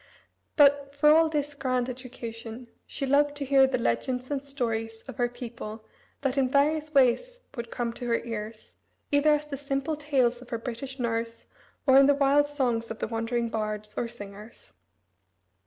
But, for all this grand education, she loved to hear the legends and stories of her people that in various ways would come to her ears, either as the simple tales of her British nurse, or in the wild songs of the wandering bards, or singers.